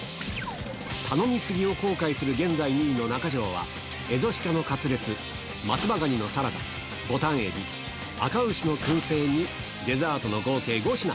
頼み過ぎを後悔する現在２位の中条は、蝦夷鹿のカツレツ、松葉蟹のサラダ、ボタン海老、あか牛の燻製に、デザートの合計５品。